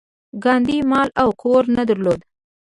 ګاندي مال او کور نه درلود.